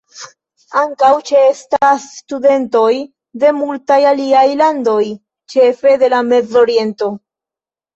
Ankaŭ ĉe-estas studentoj de multaj aliaj landoj, ĉefe de la Mez-Oriento.